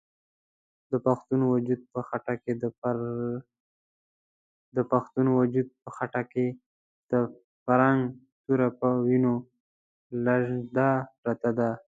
د پښتون وجود په خېټه کې د فرنګ توره په وینو لژنده پرته ده.